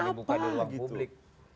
kalau mau dibuka di ruang publik